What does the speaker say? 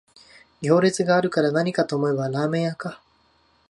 行列があるからなにかと思えばラーメン屋か